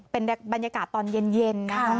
เป็นบรรยากาศตอนเย็นนะคะ